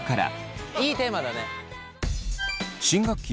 まずはいいテーマだね。